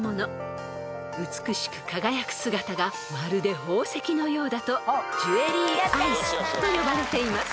［美しく輝く姿がまるで宝石のようだとジュエリーアイスと呼ばれています］